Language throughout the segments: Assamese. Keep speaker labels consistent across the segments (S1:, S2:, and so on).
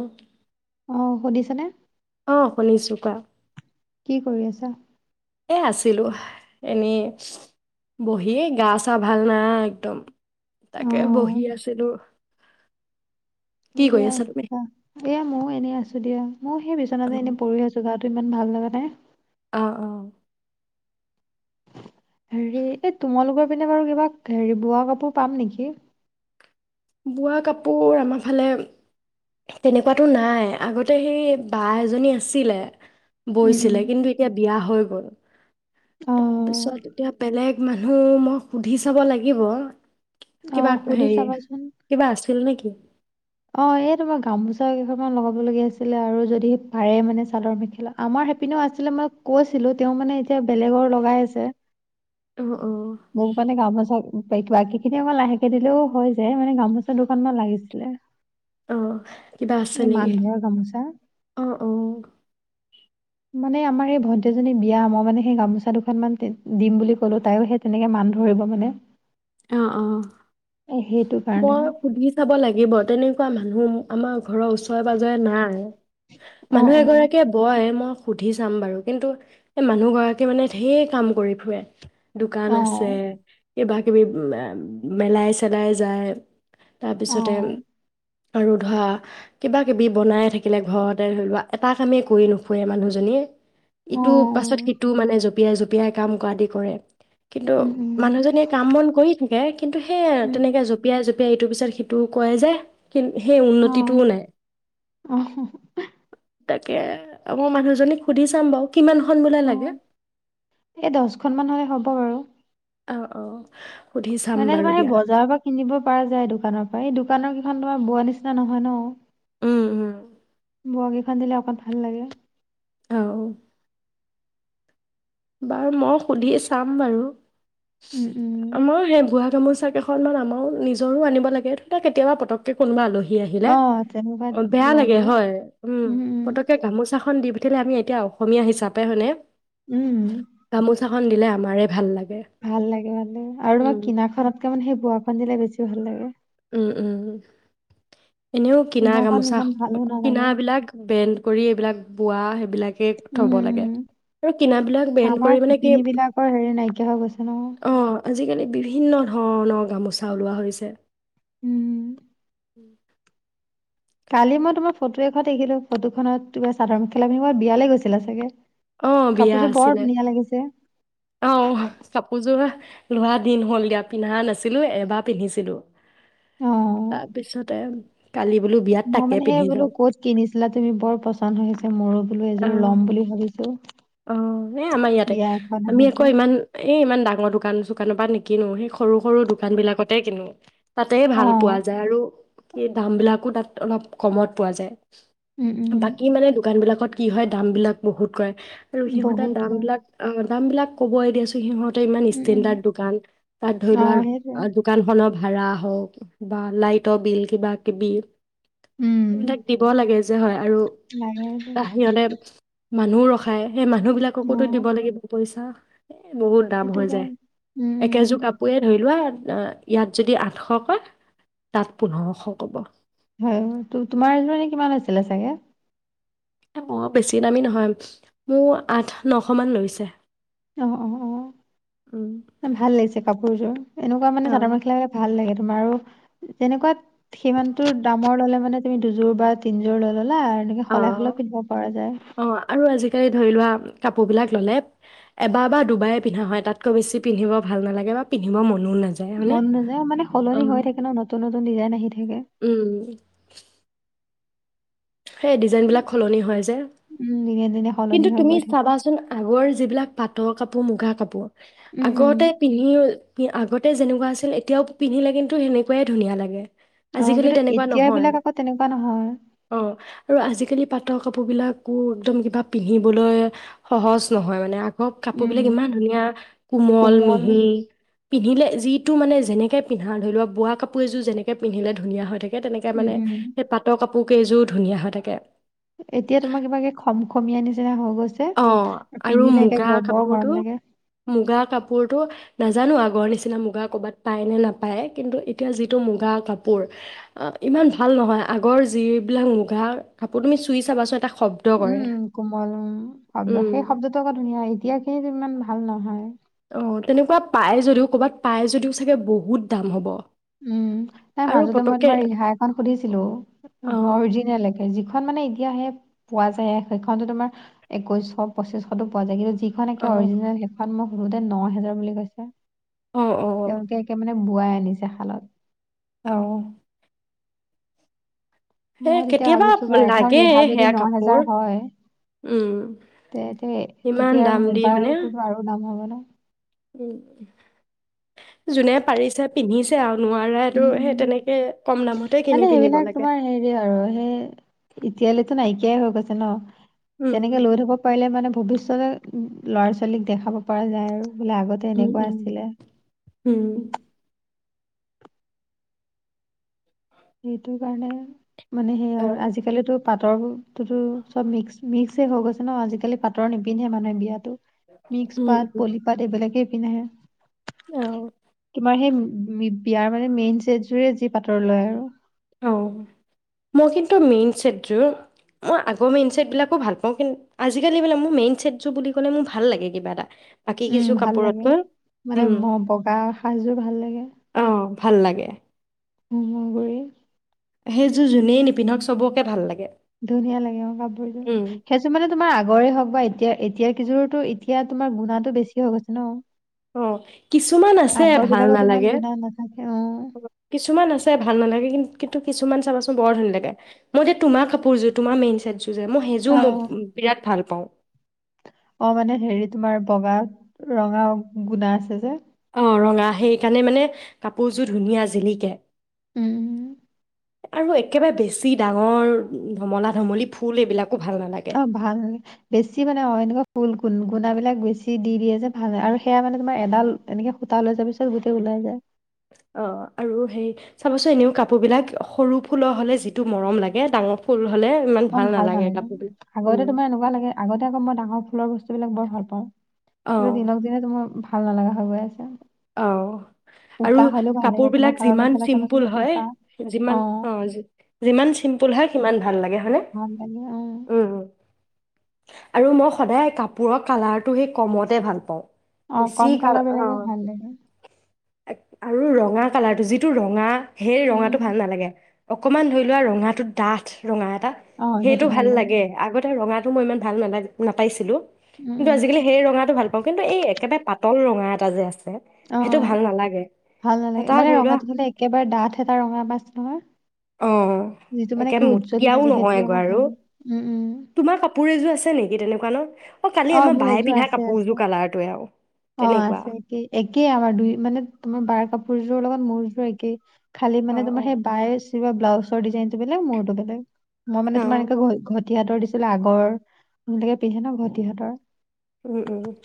S1: উম!
S2: অহ শুনিচানে নে!
S1: অহ শুনিছোঁ কোৱা।
S2: কি কৰি আছা?
S1: এ আছিলোঁ এনে বহিয়ে গা সা ভাল নাই একদম
S2: অ
S1: তাকে বহি আছিলো।
S2: দিয়া তা দিয়া মইও এনে আছো দিয়া। মইও সেই
S1: অ
S2: বিচনাতে এনে পৰি আছো। গা টো ইমান ভাল লগা নাই।
S1: অ।
S2: হেৰী এ তোমালোকৰ পিনে বাৰো কিবা হেৰী বোৱা কাপোৰ পাম নেকি।
S1: বোৱা কাপোৰ আমাৰ ফালে তেনেকুৱা টো নাই আগতে সেই বা এজনী আছিলে।
S2: উম
S1: বৈ
S2: উম
S1: ছিলে কিন্তু এতিয়া। এতিয়া বিয়া হৈ গ'ল।
S2: অ
S1: তাৰ পিছত? এতিয়া বেলেগ মানু্হ মই সুধি চাব লাগিব। কিবা
S2: অ' সুধি
S1: হেৰি
S2: চাবা চোন।
S1: কিবা আছিল নেকি।
S2: অ এই তোমাৰ গামোচা কেই খন মান লগাব লগীয়া আছিলে আৰু যদি পাৰে মানে চাদৰ মেখেলা আমাৰ সেই পিনে আছিলে মই কৈছিলো তেওঁ মানে এতিয়া বেলেগৰ লগাই আছে।
S1: অ অ।
S2: তাই বাকী খিনি অলপ লাহেকে দিলেও হৈ যায় মানে গামোচা দুখন মান লাগিছিলে।
S1: অ' কিবা আছে
S2: এই মান
S1: নেকি
S2: ধৰা গামোচা
S1: অ অ।
S2: মানে আমাৰ এই ভণ্টী জনীৰ বিয়া মই মানে সেই গামোচা দুখন মান দিম বুলি ক'লো তায়ো সেই তেনেকে মান ধৰিব বোলে।
S1: অ', অ,,
S2: কাৰণে
S1: মই সুধি চাব লাগিব তেনেকুৱা মানু্হ আমাৰ।। ঘৰৰ ওচৰে পাজৰে নাই।
S2: অ
S1: মানুহ
S2: অ
S1: এগৰাকীয়ে বয় মই সুধি চাম বাৰু কিন্তু সেই মানু্হ গৰাকীয়ে মানে ধেৰ কাম কৰি ফুৰে। দুকান
S2: অ
S1: আছে। [inaudible] [unintelligible] মেলাই চেলাই যায়, তাৰ
S2: অ
S1: পিছতে আৰু ধৰা কিবা কিবি বনাই থাকিলে ঘৰতে ধৰি লোৱা এটা কামে কৰি নোফুৰে মানুহজনীয়ে।
S2: অ
S1: ইটোৰ পাছত সিটো মানে? জপিয়াই জপিয়াই কাম কৰাদি কৰে। কিন্তু
S2: উম উম
S1: মানুহজনীক কৰি থাকে। সেয়ে আৰু
S2: উম উম
S1: তেনেকে জপিয়াই জপি তাই ইটোৰ পিছত সিটো কৰে যে? সেই, সেই
S2: অ
S1: উন্নতি টোও নাই।
S2: অ
S1: তাকেই মই মানুহজনীক সুধি চাম বাৰু কিমানখন বোলে
S2: অ,
S1: লাগে
S2: এই দচখন মান হ'লে হ'ব আৰু।
S1: অ', অ'।
S2: মানে এই তোমাৰ বজাৰৰ পৰা কিনিব পৰা যায়, দোকানৰ পৰাই এই দোকানৰ তোমাৰ বোৱাৰ নিচিনা নহয় ন?
S1: উম, উম।
S2: বোৱা কেইখন দিলে অকণমান ভাল লাগে।
S1: অ'। বাৰু মই সুধি চাম বাৰু।
S2: উম উম
S1: [unintelligible] মোৰ চাইকেলখন [unintelligible] নিজৰও আনিব লাগে তাতে কেতিয়াবা পতককে কোনোবা আলহী ই আহিলে
S2: অ তেনেকুৱাত
S1: বেয়া লাগে হয়, উম, পতককে গামোচাখন দিবি আমি এতিয়া অসমীয়া হিচাপে হয়নে?
S2: উম
S1: গামোচা খন দিলে আমাৰে ভাল লাগে।
S2: ভাল লাগে মানে আৰু
S1: উম
S2: কিনা খনতকে মানে সেই বোৱাখন দিলে বেছি ভাল লাগে।
S1: উম, উম। এনেও কিনা
S2: কিনাখন
S1: গামোচা
S2: ইমান ভালো
S1: কিনা
S2: নালাগে
S1: বিলাক বেণ্ড কৰি এইবিলাক বোৱাহে লাগে থব লাগে
S2: উম
S1: আৰু কিনা বিলাক বেণ্ড
S2: আমাৰ
S1: কৰিব নেকি?
S2: শিপিনী বিলাকৰ হেৰি নাইকিয়া হৈ গৈছে নহয়
S1: অ' আজি কালি বিভিন্ন ধৰণৰ গামোচা ওলোৱা হৈছে।
S2: উম।
S1: উম [unintelligible]
S2: কালি মই তোমাক ফটোএটাত দেখিলোঁ। ফটোখনত কিবা চাদৰ মেখেলা পিন্ধা ক'ৰবাত বিয়ালৈ গৈছিলা চাগে?
S1: অ' বিয়া
S2: কাপোৰযোৰ বৰ
S1: আছিলে।
S2: ধুনীয়া লাগিছে
S1: অ' কাপোৰযোৰা লোৱা দিন হ'ল দিয়া পিন্ধা নাছিলো এবাৰ পিন্ধিছিলো।
S2: অ
S1: তাৰ পিছতে
S2: মই মানে সেই বোলো ক'ত কিনিছিলা তুমি? বৰ পছন্দ হৈছে মোৰো। বোলো এযোৰ ল'ম
S1: অ'
S2: বুলি ভাবিছো
S1: অ' এ আমাৰ ইয়াতে
S2: বিয়া এখন আহি
S1: আমি
S2: আছে
S1: আকৌ ইমান এই ইমান ডাঙৰ দোকান-চোকানৰ পৰা নিকিনো সৰু সৰু দোকান বিলাকতে কিনো। তাতেই
S2: অ
S1: ভাল পোৱা যায় আৰু এ দামবিলাকো তাত অলপ কমত পোৱা যায়।
S2: উম
S1: বাকী
S2: উম
S1: মানে দোকানবিলাকত কি হয়, দামবিলাক বহুত কয় আৰু সিহঁতে
S2: বহুত কম
S1: দামবিলাক অ'। দামবিলাক কবয় দিয়াচোন সিহঁত ইমান
S2: উম উম
S1: ইষ্টেণ্ডাৰ্ড দোকান তাত
S2: অ
S1: ধৰিলোৱা
S2: সেইটোৱে
S1: অ', দোকানখনক ভাড়া হওঁক বা লাইটৰ বিল কিবা কিবি।
S2: উম
S1: বিলাক দিব লাগে যে, হয়
S2: [unintelligible]
S1: বাহিৰতে মানহুও ৰখাই। সেই মানহু বিলাককো টো
S2: উম
S1: দিব লাগিব পইচা। এ বহুত দাম
S2: সেইটো
S1: হৈ যায়।
S2: কাৰণে উম
S1: একেযোৰ কাপোৰে ধৰিলোৱা না, ইয়াত যদি আঠশ কোৱা, তাত পোন্ধঅশ ক'ব।
S2: হুম তো, তোমাৰ এজ মানে কিমান আছিলে ছাগে?
S1: এ বৰ বেছি দামী নহয়, মো আঠ, নশ মান লৈছে।
S2: ইঅ, অহ,
S1: উম
S2: অ [inaudible] ভাল লাগিছে কাপোৰ জোৰ, এনেকুৱা মানে চাদৰ-মেখেলা বিলা ভাল লাগে। বাৰু, তেনেকুৱাত, সিমান টো দামৰ ল'লে মানে তুমি দুজোৰ বা তিনি জোৰ লৈ ল
S1: অ', অ', আৰু আজি‌ কালি ধৰিলোৱা কাপোবিলাক ল'লে, এবা বা দুবায়ে পিনহা হয়, তাতকৈ বেছি পিনহিব ভাল নালাগে বা পিনহিবয়ো ম
S2: মন নেযায় মানে সলনি হৈ ন, নতুন-নতুন ডিজাইন আহি থাকে।
S1: উম সেই ডিজাইন বিলাক খলনি হয় যে,
S2: উম দিনে দিনে সলনি
S1: কিন্তু
S2: হৈ
S1: তুমি
S2: গৈ থাকে
S1: চাবাচোন আগৰ যিবিলাক পাটৰকাপোৰ, মূগাকাপোৰ
S2: উম উম
S1: আগতে পিনহিউ ই আগতে যেনেকোৱা আছিল এতিয়াও পিনহিলে কিন্তু হেনেকুৱাই ধুনীয়া লাগে।
S2: অ',
S1: আজিকালি
S2: কিতু
S1: তেনেকুৱা
S2: এতিয়া
S1: নহয়
S2: বিলাক আকৌ তেনেকুৱা নহয়।
S1: অ' আৰু আজিকালি পাট কাপোৰবিলাকও একদম কিবা পিন্ধিবলৈ সহজ নহয় মানে আ আগ
S2: উম
S1: কাপোৰবিলাক ইমান ধুনীয়া, কোমল, মিহি। পিন্ধিলে যিইটো মানে যেনেকে পিন্ধা ধৰিলোৱা, বোৱা কাপোৰ এযোৰ যেনেকে পিন্ধিলে ধুনীয়া হৈ থাকে। এ তেনেকে
S2: উম
S1: মানে,
S2: উম
S1: এ পাটৰ কাপো কেইজোৰ ধুনীয়া হৈ থাকে।
S2: সমীয়া নিচিনা হ
S1: অ', আৰু মূগা
S2: গৰম
S1: কাপোৰটো,
S2: লাগে
S1: মুগা কাপোৰটো নাজানো আগৰ নিচিনা মুগা ক'বাত পায়নে নাপায় কিন্তু এতিয়া যিটো মুগা কাপোৰ, আ, ইমান ভাল নহয় আগৰ যিবিলাক মূগাৰ কাপোৰ তুমি চুই চাবাচোন এটা শব্দ কৰে
S2: উম, কোমল উম। শব্দ
S1: উম,
S2: সেই শব্দটো আকৌ ধুনীয়া এতিয়াখিনিত ইমান ভা ভাল নহয়।
S1: অ', তেনেকুৱা পায় যদিও ক'বাত পায় যদিও চাগে বহুত দাম হ'ব।
S2: উম, তাই
S1: আৰু
S2: মাজতে মই
S1: পতককে
S2: তোমাৰ ৰিহা এখন সুধিছিলো, ধ
S1: অ'
S2: অৰজিনেল একে যিখ খন মানে এতিয়া হে, পোৱা যায় এ সেখনটো তোমাৰ, একৈছশ, পঁচিছশটো পোৱা যায় কিন্তু যিখন একে
S1: অ'
S2: অৰজিনেল সেখন মোক ধুতে ন' হেজাৰ বুলি কৈছে।
S1: অ' অ'
S2: এওঁকে একে মানে বোৱাই আনিছা
S1: অহ।
S2: মই তেতিয়া
S1: কেতিয়াবা
S2: ভাবিছোঁ বা এখন
S1: লাগে
S2: ৰিহা
S1: সেয়া
S2: ন
S1: কাপোৰ
S2: হাজাৰ হয়,
S1: উম,
S2: তে-তে
S1: ইমান
S2: তেতিয়া
S1: দাম দি হয়নে?
S2: মুগাৰটো আৰু দাম হ'ব [unintelligible]
S1: যোনে পাৰিছে পিন্ধিছে আৰু
S2: উম
S1: নোৱাৰাটো
S2: উম
S1: তেনেকে কম দামতে
S2: মানে
S1: কিনি পিন্ধিব
S2: সেইবিলাক
S1: লাগে।
S2: নাইকিয়া হৈ গৈছে ন?
S1: উম,
S2: তেনেকে লৈ থৈ পাৰিলে মানে ভৱিষতে ল'ৰা ছোৱালীক দেখাব পৰা যায় আৰু। আগতে
S1: উম,
S2: এনেকুৱা
S1: উম,
S2: আছিলে
S1: উম,
S2: সেইটো কাৰণে মানে হেইয়া
S1: অ'
S2: আৰু আজি কালিটো পাট [unintelligible] চব মিক্স‌ মিক্স‌ই গৈছে ন আজি কালি পাটৰ নিপিনন্ধেই মানুহে বিয়াটো
S1: উম,
S2: মিক্স‌পাট, পলীপাট এইবিলাকে [unintelligible]
S1: অ'
S2: তোমাৰ সেই বিয়াৰ মানে মেইন ছেট যোৰেই যি পাটৰ লয় আৰু
S1: অ' মোৰ কিন্তু মেইন ছেট যোৰ মোৰ আগৰ মেইন ছেট যোৰ ভাল পাওঁ। কিন্তু আজি কালি মেইন ছেট যোৰ বুলি ক'লে মোৰ ভাল লাগে কিবা এটা। বাকী
S2: উম,
S1: কিছু
S2: ভাল লাগে
S1: কাপোৰতকৈ উম,
S2: বগা সাজ যোৰ ভাল লাগে।
S1: অ' ভাল লাগে।
S2: হোমৰ গুৰি
S1: সেইযোৰ জোনে নিপিন্ধক কিয় সবকে ভাল লাগে।
S2: ধুনীয়া লাগে কাপোৰ যোৰ।
S1: উম,
S2: সেইযোৰ আগৰ হ'ক বা এতিয়া এইযোৰ টো এতিয়া গুনাটো বেছি হৈ গৈছে ন।
S1: উম কিছুমান আছে
S2: আগৰ
S1: ভাল
S2: বিলাকত ইমান
S1: নালাগে।
S2: গুণা নাথাকে অ
S1: কিছুমান আছে ভাল নালাগে কিন্তু কিন্তু কিছুমান চাবাচোন বৰ ভাল লাগে মোৰ যে তোমাৰ কাপোৰ যোৰ তোমাৰ মেইন ছেট যোৰ সেইযোৰ মোক বিৰাট ভাল পাওঁ।
S2: অ'মানে হেৰী তোমাৰ বগাত ৰঙা গুণা আছে যে।
S1: অ' ৰঙা সেইকাৰণে মানে কাপোৰ ধুনীয়া জিলিকে।
S2: উম।
S1: আৰু একেবাৰে বেছি ডাঙৰ ধমলা ধমলী ফুল এইবিলাক
S2: অহ, ভাল নালাগে বেছি মানে অ', এনেকা ফুল গুণ গুণা বিলাক বেছি দি দি দিয়ে যে, ভাল সেইয়া মানে তোমাৰ এডাল এনেকে সূতা ওলাই যোৱাৰ পাছত গোটেই ওলাই যায়।
S1: অহ, আৰু হেৰী চাবচোন এনেও কাপোৰ বিলাক সৰু ফুলৰ হ'লে যিটো মৰম লাগে ডাঙৰ ফুল হ'লে ইমান
S2: ভাল
S1: নালাগে
S2: থাকে ন
S1: কাপোৰবিলাক
S2: আগতে
S1: উম
S2: তোমাৰ এনেকুৱা লাগে আগতে আকৌ ডাঙৰ ফুলৰ বস্তুটো বিলাক বৰ ভাল
S1: অ
S2: পাওঁ দিনক দিনে তোমাৰ ভাল নালাগা হৈ গৈ আছে।
S1: অ'- আৰু
S2: উকা হ'লেও ভাল লাগে তোমাৰ
S1: কাপোৰবিলাক
S2: চাদৰ
S1: যিমান
S2: মেখেলা চাবাচোন
S1: চিম্পোল হয়
S2: উকা
S1: যিমান
S2: অ
S1: অ'- যিমান চিম্পোল হয় সিমান ভাল লাগে হয়নে উম
S2: [unintelligible]
S1: আৰু মই সদায় কাপোৰৰ কালাৰটো হেই কমতে ভাল পাওঁ।
S2: অ কম কালাৰবিলাকে ভাল লাগে।
S1: এক আৰু ৰঙা কালাৰটো, যিটো ৰঙা হেই
S2: উম
S1: ৰঙাটো
S2: উম
S1: ভাল নালাগে। অকমান ধৰি লোৱা ৰঙাটো ডাঠ ৰঙা [unintelligible] হেইটো ভাল লাগে। আগতে ৰঙা মই ইমান ভাল নালাই নাপাইছিলো।
S2: উম
S1: কিন্তু
S2: উম
S1: আজিকালি হেই ৰঙাটো ভাল পাওঁ। কিন্তু এই একেবা পাত্‌ তল ৰঙা এটা যে আছে। সেইটো
S2: অ',
S1: ভাল নালাগে
S2: ভাল নালাগে
S1: এটা
S2: মানে
S1: ধৰি লোৱা
S2: ৰঙাটো হ'লে একেবাৰে ডাঠ এটা ৰঙা বা আছে নহয়।
S1: অ
S2: যিটো মানে একে উজ্জ্বলি
S1: মটিয়াও
S2: থাকে হেটো
S1: নহয় গৈ
S2: লগত
S1: আৰু
S2: ভাল হয়। উম্‌, উম্‌।
S1: তোমাৰ কাপোৰ এজোৰ আছে নেকি তেনেকুৱা ন? কালি
S2: অ
S1: আমাৰ
S2: মোৰ
S1: বায়ে
S2: এযোৰ
S1: পিন্ধা
S2: আছে আছে
S1: কাপোৰযোৰ কালাৰটোৱে আৰু।
S2: অ
S1: তেনেকুৱা
S2: আছে কি একেই আমাৰ দুই, মানে, তোমাৰ বাৰ কাপোৰ সৈযোৰৰ লগত মোৰযোৰ একেই। খালি
S1: অ
S2: মানে
S1: অ
S2: তোমাৰ সেই বায়েচ এইবিলাক ব্লাউচৰ ডিজাইনটো বেলেগ, মোৰটো বেলেগ। মই মানে
S1: অ
S2: তোমালোকৰ ঘত ঘত তিহাতৰ দিছিলা আগৰ, নিবিলাকে পিন্ধে ন ঘটি হাতৰ।
S1: উম, উম।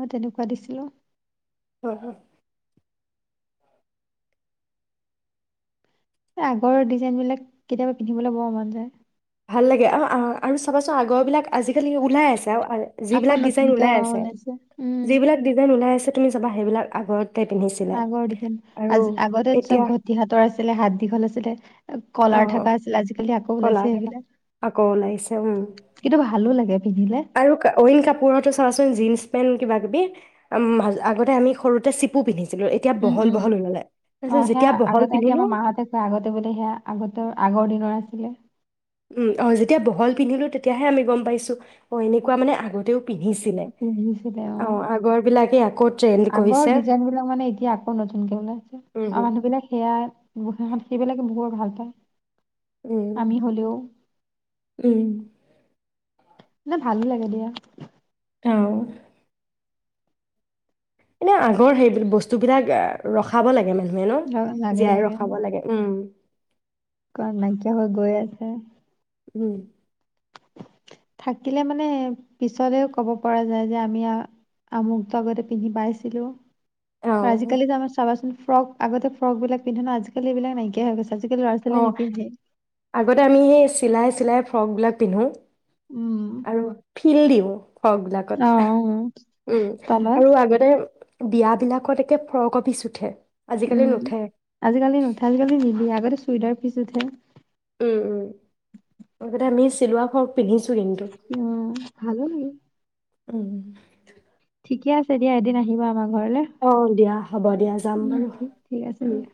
S2: মই তেনেকুৱা দিছিলোঁ।
S1: [unintelligible]
S2: এ আগৰ ডিজাইনবিলাক কেতিয়াবা পিন্ধিবলৈ বৰ মন যায়।
S1: ভাল লাগে, আৰু আ-আৰু চাবাচোন আগৰবিলাক আজিকালি ওলাই আছ [unintelligible]
S2: আকৌ
S1: যিবিলাক ডিজাইন
S2: নতুনকে
S1: ওলাই
S2: অ
S1: আছে
S2: ওলাইছে উম
S1: যিবিলাক ডিজাইন ওলাই আছে তুমি চাবা হেইবিলাক আগৰ
S2: আগৰ ডিজাইন। আজ আগতে চব
S1: এতিয়া
S2: ঘটি হাতৰ আছিলে, হাত দীঘল আছিলে। আ, কলাৰ থাকা আছিলে। আজিকালি আক
S1: কলাৰ থাকা, আকৌ ওলাইছে উম'।
S2: কিন্তু ভালো লাগে পিন্ধিলে
S1: আৰু কা' অইন কাপোৰতো চোৱাচোন জিন্‌ছ পেন কিবাকিবি, আম্‌'-আগতে আমি সৰুতে চিপু পিন্ধিছোঁ।
S2: উম উম
S1: যেতিয়া বহল
S2: সেইয়া
S1: পিন্ধিলো
S2: মা হতে কয় সেইয়া আগতে আগৰ দিনৰ আছিলে
S1: উম যেতিয়া বহল পিন্ধিলোঁ তেতিয়া হে গম পাইছো অহ এনেকুৱা আগতে
S2: পিন্ধিছিলে অহ
S1: বিলাকে আকৌ ট্ৰেণ্ড
S2: আগৰ
S1: কৰিছে
S2: ডিজাইন এতিয়া আকৌ নতুন যে ওলাইছে
S1: উম
S2: আৰু মানুহ বিলাক সেইয়া, সেইবিলাকে বহুত ভাল পাই।
S1: উম
S2: আমি হলেও,
S1: উম,
S2: না ভালো লাগে দিয়া।
S1: অ' এনেও আগৰ সেই বস্তু বিলাক ৰখাব লাগে। [unintelligible]
S2: ল- লাগে
S1: জীয়াই
S2: লাগে অ
S1: ৰখাব লাগে। উম
S2: কাৰণ নাইকিয়া হৈ গৈ আছে।
S1: উম!
S2: থাকিলে মানে পিছলেও কব পাৰা যায় যে আমি আৰু আমুকটা যদি পিন্ধি পাইছিলোঁ। অ' আজি কালি তাৰমানে চাবাচোন। ফ্ৰক আগতে ফ্ৰক বিলাক পিন্ধে ন। আজিকালি এইবিলাক নাইকিয়া হৈ গৈছে। আজিকালি ল'ৰা ছোৱালীয়ে
S1: অ'।
S2: নিপিন্ধে
S1: আগতে আমি সেই স্কু চিলাই চিলাই ফ্রক বিলাক পিন্ধো।
S2: উম
S1: আৰু ফীল দিওঁ। ফ্ৰক
S2: অ
S1: বিলাকত
S2: অ
S1: আহ উম
S2: তলত
S1: আৰু আগতে বিয়া বিলাকত একে ফ্ৰকৰ পিছ উঠে। আজিকালি
S2: উম।
S1: নুঠে,
S2: আজি কালি নুঠে। আজি কালি নিদিয়ে। আগতে চুইদাৰ পিছ উঠে।
S1: উম উম। আগতে আমি চিলোৱা ফ্ৰক পিন্ধিছো কিন্তু।
S2: উম, ভালো লাগে
S1: উম
S2: ঠিকেই আছে দিয়া এদিন আহিবা আমাৰ ঘৰত।
S1: অ' দিয়া। হব দিয়া। যাম
S2: উম
S1: বাৰু।
S2: ঠিক ঠিক আছে দিয়া